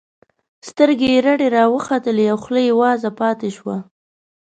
سترګې یې رډې راوختلې او خوله یې وازه پاتې شوه